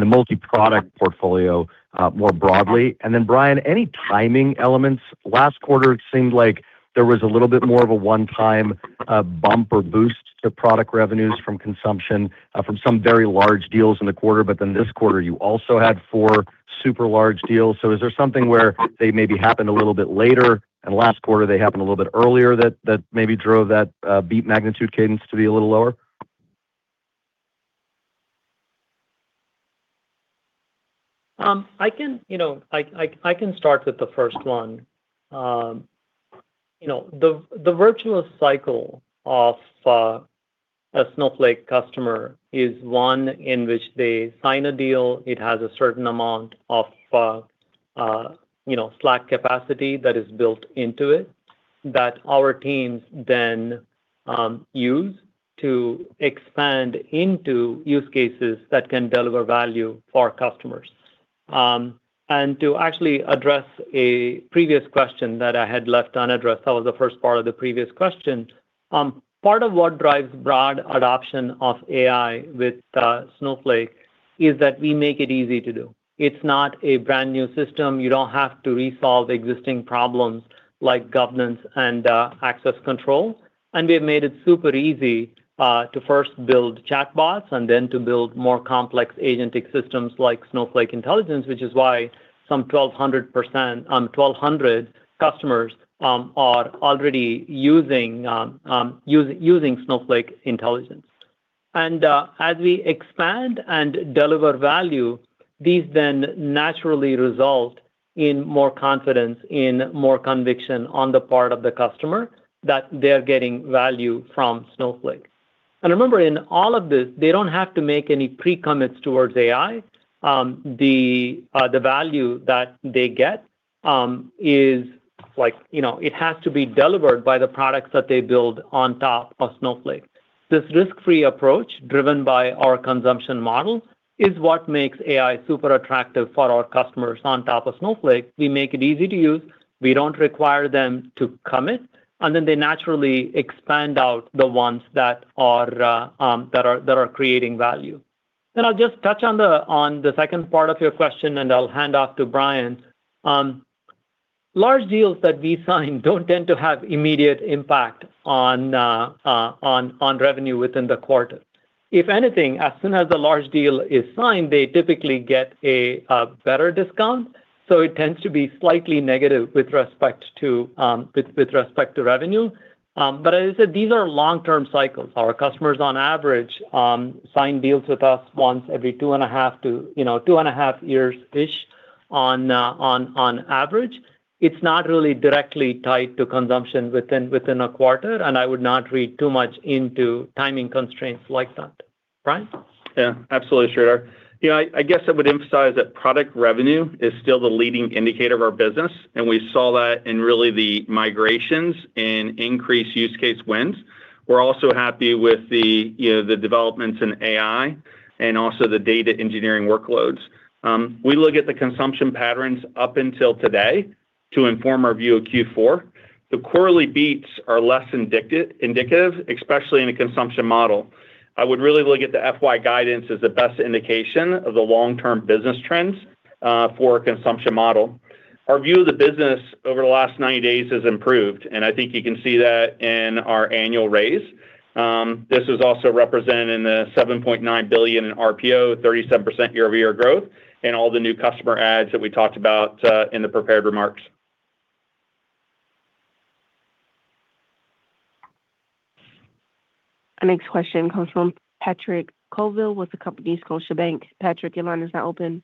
multi-product portfolio more broadly, and then, Brian, any timing elements. Last quarter, it seemed like there was a little bit more of a one-time bump or boost to product revenues from consumption from some very large deals in the quarter, but then this quarter, you also had four super large deals. So, is there something where they maybe happened a little bit later and last quarter they happened a little bit earlier that maybe drove that beat magnitude cadence to be a little lower? I can start with the first one. The virtuous cycle of a Snowflake customer is one in which they sign a deal. It has a certain amount of slack capacity that is built into it that our teams then use to expand into use cases that can deliver value for customers, and to actually address a previous question that I had left unaddressed, that was the first part of the previous question. Part of what drives broad adoption of AI with Snowflake is that we make it easy to do. It's not a brand new system. You don't have to resolve existing problems like governance and access control, and we have made it super easy to first build chatbots and then to build more complex agentic systems like Snowflake Intelligence, which is why some 1,200 customers are already using Snowflake Intelligence. And as we expand and deliver value, these then naturally result in more confidence, in more conviction on the part of the customer that they're getting value from Snowflake. And remember, in all of this, they don't have to make any pre-commits towards AI. The value that they get is, it has to be delivered by the products that they build on top of Snowflake. This risk-free approach driven by our consumption model is what makes AI super attractive for our customers on top of Snowflake. We make it easy to use. We don't require them to commit. And then they naturally expand out the ones that are creating value. And I'll just touch on the second part of your question, and I'll hand off to Brian. Large deals that we sign don't tend to have immediate impact on revenue within the quarter. If anything, as soon as a large deal is signed, they typically get a better discount. So it tends to be slightly negative with respect to revenue. But as I said, these are long-term cycles. Our customers, on average, sign deals with us once every two and a half to two and a half years-ish on average. It's not really directly tied to consumption within a quarter, and I would not read too much into timing constraints like that. Brian? Yeah. Absolutely, Sridhar. I guess I would emphasize that product revenue is still the leading indicator of our business, and we saw that in really the migrations and increased use case wins. We're also happy with the developments in AI and also the data engineering workloads. We look at the consumption patterns up until today to inform our view of Q4. The quarterly beats are less indicative, especially in a consumption model. I would really look at the FY guidance as the best indication of the long-term business trends for a consumption model. Our view of the business over the last 90 days has improved, and I think you can see that in our annual raise. This was also represented in the $7.9 billion in RPO, 37% year-over-year growth, and all the new customer adds that we talked about in the prepared remarks. Our next question comes from Patrick Colville with the company Scotiabank. Patrick, your line is now open.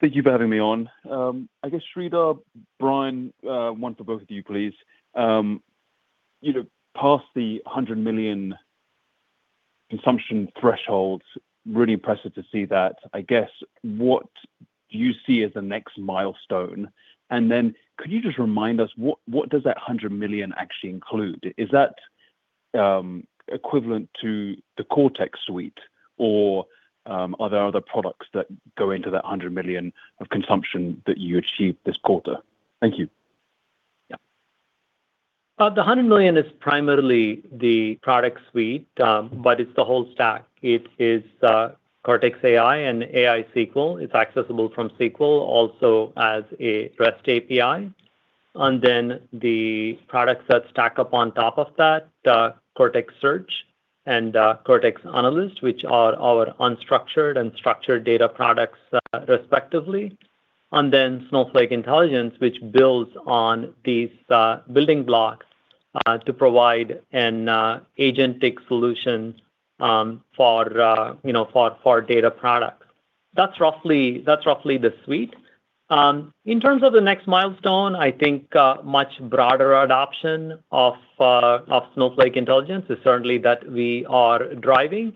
Thank you for having me on. I guess, Sridhar, Brian, one for both of you, please. Past the $100 million consumption thresholds, really impressive to see that. I guess, what do you see as the next milestone? And then could you just remind us, what does that $100 million actually include? Is that equivalent to the Cortex Suite, or are there other products that go into that $100 million of consumption that you achieved this quarter? Thank you. The $100 million is primarily the product suite, but it's the whole stack. It is Cortex AI and AI SQL. It's accessible from SQL also as a REST API. And then the products that stack up on top of that, Cortex Search and Cortex Analyst, which are our unstructured and structured data products respectively. And then Snowflake Intelligence, which builds on these building blocks to provide an agentic solution for data products. That's roughly the suite. In terms of the next milestone, I think much broader adoption of Snowflake Intelligence is certainly that we are driving.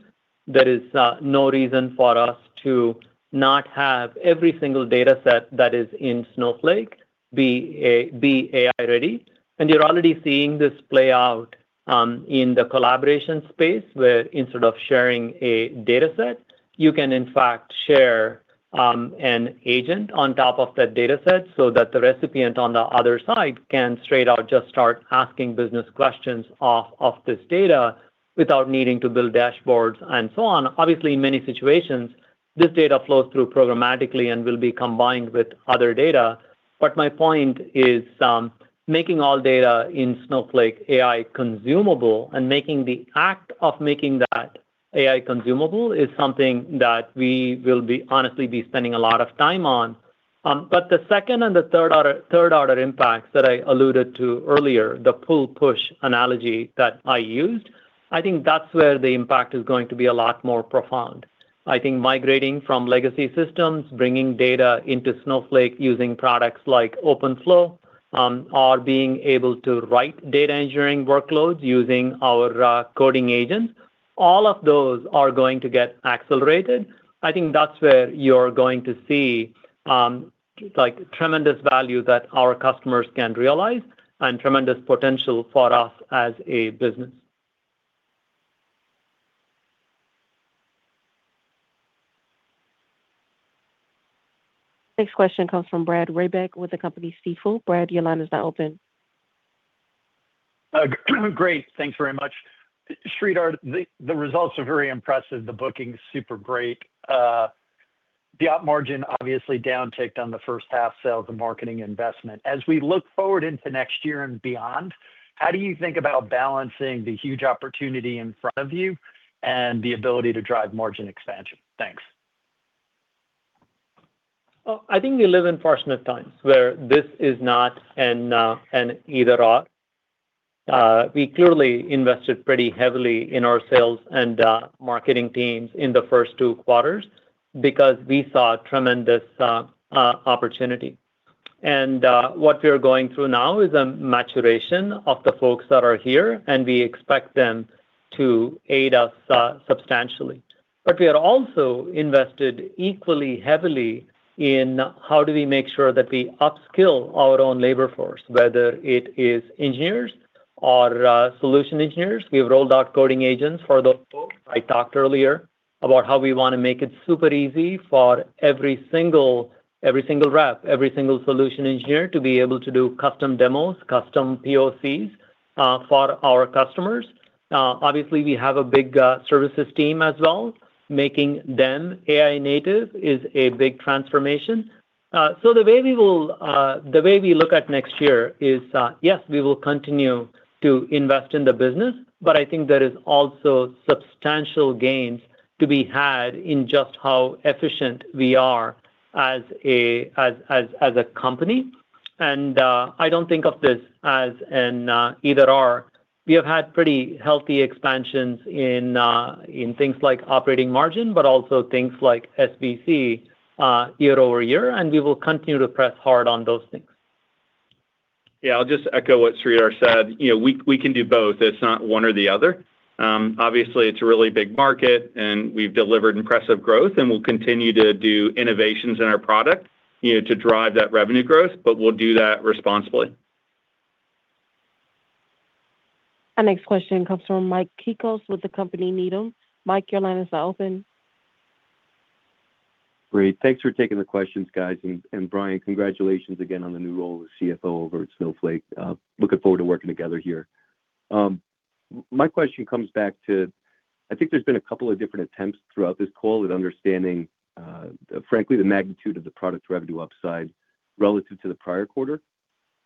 There is no reason for us to not have every single dataset that is in Snowflake be AI-ready. You're already seeing this play out in the collaboration space, where instead of sharing a dataset, you can, in fact, share an agent on top of that dataset so that the recipient on the other side can straight out just start asking business questions off of this data without needing to build dashboards and so on. Obviously, in many situations, this data flows through programmatically and will be combined with other data. My point is making all data in Snowflake AI consumable and making the act of making that AI consumable is something that we will honestly be spending a lot of time on. The second and the third-order impacts that I alluded to earlier, the pull-push analogy that I used, I think that's where the impact is going to be a lot more profound. I think migrating from legacy systems, bringing data into Snowflake using products like OpenFlow, or being able to write data engineering workloads using our coding agents, all of those are going to get accelerated. I think that's where you're going to see tremendous value that our customers can realize and tremendous potential for us as a business. Next question comes from Brad Reback with the company Stifel. Brad, your line is now open. Great. Thanks very much. Sridhar, the results are very impressive. The booking is super great. The operating margin obviously downticked on the first-half sales and marketing investment. As we look forward into next year and beyond, how do you think about balancing the huge opportunity in front of you and the ability to drive margin expansion? Thanks. I think we live in fortunate times where this is not an either/or. We clearly invested pretty heavily in our sales and marketing teams in the first two quarters because we saw tremendous opportunity. And what we are going through now is a maturation of the folks that are here, and we expect them to aid us substantially. But we have also invested equally heavily in how do we make sure that we upskill our own labor force, whether it is engineers or solution engineers. We have rolled out coding agents for those folks. I talked earlier about how we want to make it super easy for every single rep, every single solution engineer to be able to do custom demos, custom POCs for our customers. Obviously, we have a big services team as well. Making them AI native is a big transformation. So the way we look at next year is, yes, we will continue to invest in the business, but I think there are also substantial gains to be had in just how efficient we are as a company. And I don't think of this as an either/or. We have had pretty healthy expansions in things like operating margin, but also things like SBC year-over-year, and we will continue to press hard on those things. Yeah. I'll just echo what Sridhar said. We can do both. It's not one or the other. Obviously, it's a really big market, and we've delivered impressive growth, and we'll continue to do innovations in our product to drive that revenue growth, but we'll do that responsibly. Our next question comes from Mike Cikos with the company Needham. Mike, your line is now open. Great. Thanks for taking the questions, guys. And Brian, congratulations again on the new role of CFO over at Snowflake. Looking forward to working together here. My question comes back to, I think there's been a couple of different attempts throughout this call at understanding, frankly, the magnitude of the product revenue upside relative to the prior quarter,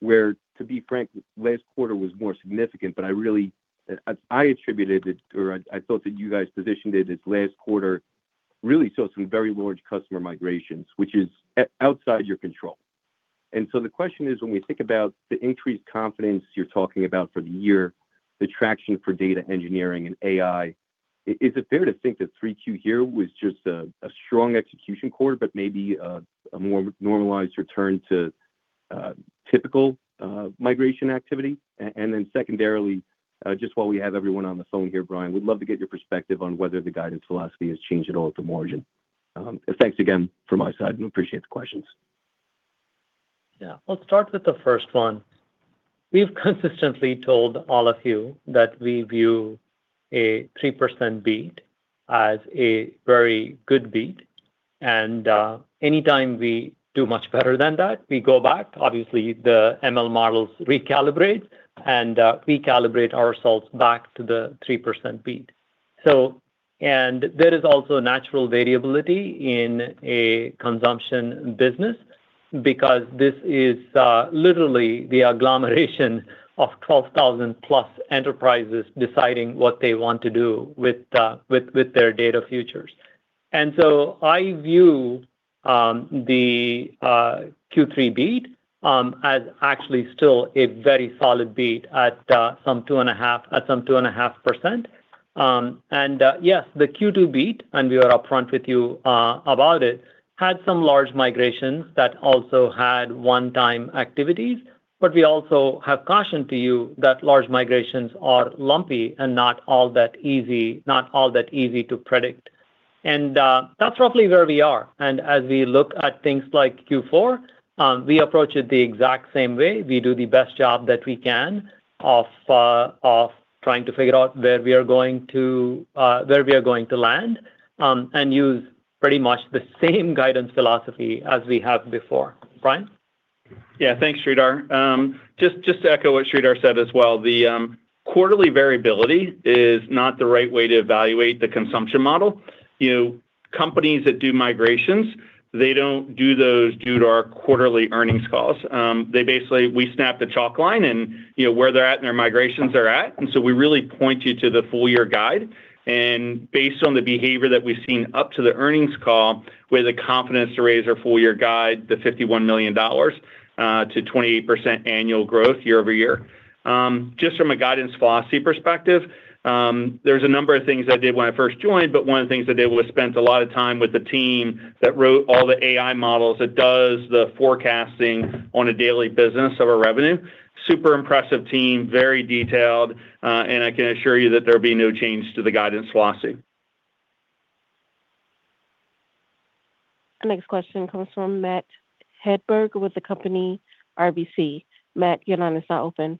where, to be frank, last quarter was more significant, but I attributed it, or I thought that you guys positioned it as last quarter really saw some very large customer migrations, which is outside your control. And so the question is, when we think about the increased confidence you're talking about for the year, the traction for data engineering and AI, is it fair to think that 3Q here was just a strong execution quarter, but maybe a more normalized return to typical migration activity? And then secondarily, just while we have everyone on the phone here, Brian, we'd love to get your perspective on whether the guidance philosophy has changed at all at the margin. Thanks again from my side. We appreciate the questions. Yeah. Let's start with the first one. We've consistently told all of you that we view a 3% beat as a very good beat. And anytime we do much better than that, we go back. Obviously, the ML models recalibrate and recalibrate ourselves back to the 3% beat. And there is also natural variability in a consumption business because this is literally the agglomeration of 12,000-plus enterprises deciding what they want to do with their data futures. And so I view the Q3 beat as actually still a very solid beat at some 2.5%. Yes, the Q2 beat, and we are upfront with you about it, had some large migrations that also had one-time activities. But we also have cautioned you that large migrations are lumpy and not all that easy, not all that easy to predict. And that's roughly where we are. And as we look at things like Q4, we approach it the exact same way. We do the best job that we can of trying to figure out where we are going to where we are going to land and use pretty much the same guidance philosophy as we have before. Brian? Yeah. Thanks, Sridhar. Just to echo what Sridhar said as well, the quarterly variability is not the right way to evaluate the consumption model. Companies that do migrations, they don't do those due to our quarterly earnings calls. Basically, we snap the chalk line and where they're at in their migrations are at. And so we really point you to the full-year guide. And based on the behavior that we've seen up to the earnings call, where the confidence to raise our full-year guide, the $51 million to 28% annual growth year-over-year, just from a guidance philosophy perspective, there's a number of things I did when I first joined, but one of the things I did was spent a lot of time with the team that wrote all the AI models that does the forecasting on a daily business of our revenue. Super impressive team, very detailed, and I can assure you that there'll be no change to the guidance philosophy. Our next question comes from Matt Hedberg with the company RBC. Matt, your line is now open.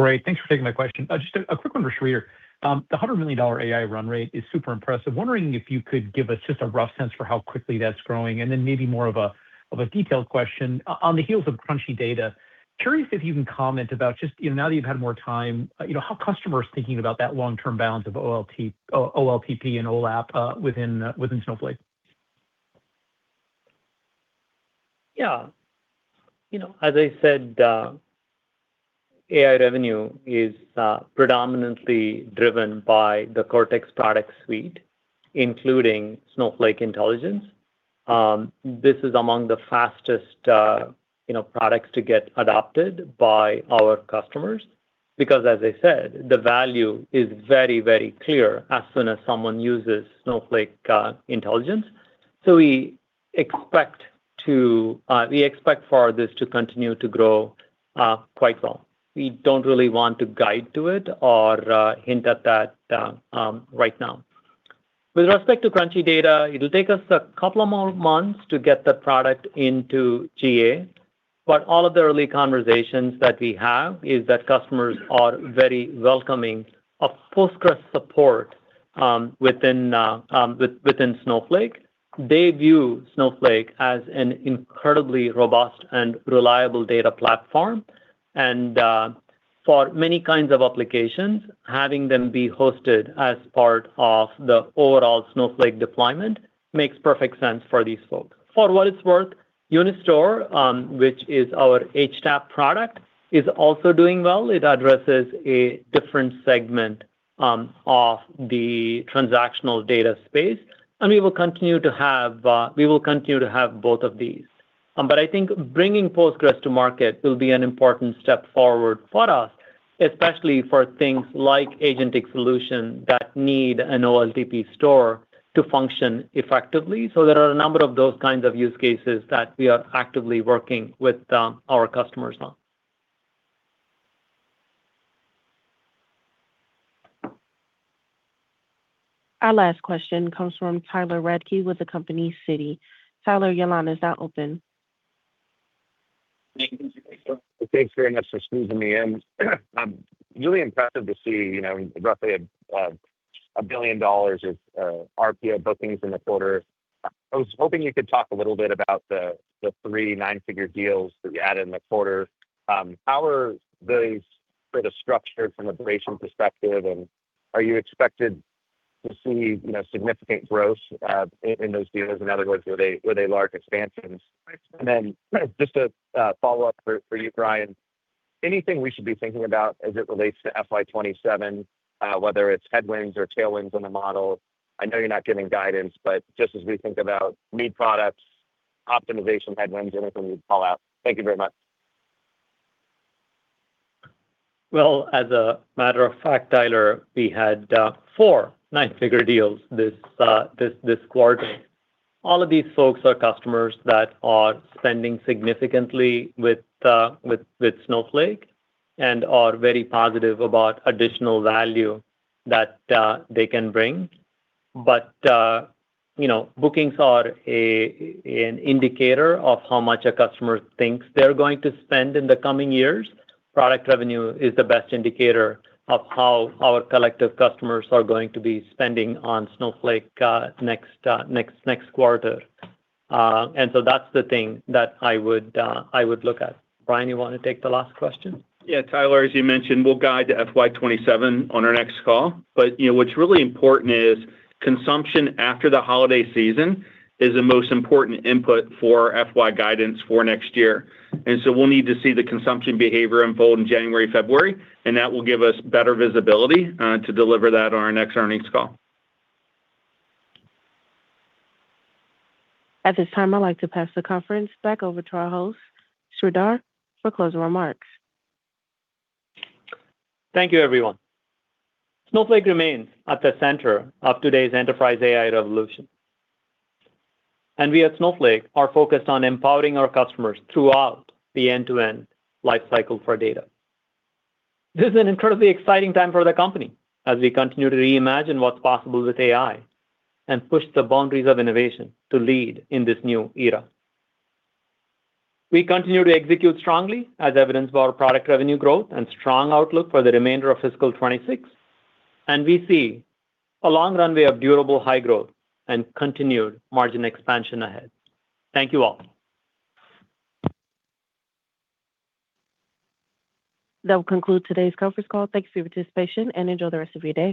Great. Thanks for taking my question. Just a quick one for Sridhar. The $100 million AI run rate is super impressive. Wondering if you could give us just a rough sense for how quickly that's growing. And then maybe more of a detailed question on the heels of Crunchy Data. Curious if you can comment about just now that you've had more time, how customers are thinking about that long-term balance of OLTP and OLAP within Snowflake. Yeah. As I said, AI revenue is predominantly driven by the Cortex product suite, including Snowflake Intelligence. This is among the fastest products to get adopted by our customers because, as I said, the value is very, very clear as soon as someone uses Snowflake Intelligence. So we expect for this to continue to grow quite well. We don't really want to guide to it or hint at that right now. With respect to Crunchy Data, it'll take us a couple more months to get the product into GA. But all of the early conversations that we have is that customers are very welcoming of Postgres support within Snowflake. They view Snowflake as an incredibly robust and reliable data platform. And for many kinds of applications, having them be hosted as part of the overall Snowflake deployment makes perfect sense for these folks. For what it's worth, Unistore, which is our HTAP product, is also doing well. It addresses a different segment of the transactional data space. And we will continue to have both of these. But I think bringing Postgres to market will be an important step forward for us, especially for things like agentic solutions that need an OLTP store to function effectively. There are a number of those kinds of use cases that we are actively working with our customers on. Our last question comes from Tyler Radke with the company Citi. Tyler, your line is now open. Thanks very much for squeezing me in. Really impressive to see roughly $1 billion of RPO bookings in the quarter. I was hoping you could talk a little bit about the three nine-figure deals that you had in the quarter. How are those sort of structured from a duration perspective? And are you expected to see significant growth in those deals? In other words, were they large expansions? And then just a follow-up for you, Brian. Anything we should be thinking about as it relates to FY27, whether it's headwinds or tailwinds on the model? I know you're not giving guidance, but just as we think about new products, optimization headwinds, anything you'd call out. Thank you very much. Well, as a matter of fact, Tyler, we had four nine-figure deals this quarter. All of these folks are customers that are spending significantly with Snowflake and are very positive about additional value that they can bring. But bookings are an indicator of how much a customer thinks they're going to spend in the coming years. Product revenue is the best indicator of how our collective customers are going to be spending on Snowflake next quarter. And so that's the thing that I would look at. Brian, you want to take the last question? Yeah. Tyler, as you mentioned, we'll guide to FY27 on our next call. But what's really important is, consumption after the holiday season, is the most important input for FY guidance for next year, and so we'll need to see the consumption behavior unfold in January, February, and that will give us better visibility to deliver that on our next earnings call. At this time, I'd like to pass the conference back over to our host, Sridhar, for closing remarks. Thank you, everyone. Snowflake remains at the center of today's enterprise AI revolution, and we at Snowflake are focused on empowering our customers throughout the end-to-end lifecycle for data. This is an incredibly exciting time for the company as we continue to reimagine what's possible with AI and push the boundaries of innovation to lead in this new era. We continue to execute strongly as evidenced by our product revenue growth and strong outlook for the remainder of fiscal 2026. We see a long runway of durable high growth and continued margin expansion ahead. Thank you all. That will conclude today's conference call. Thanks for your participation and enjoy the rest of your day.